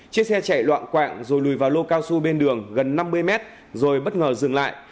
chiếc xe chạy loạn quạng rồi lùi vào lô cao su bên đường gần năm mươi mét rồi bất ngờ dừng lại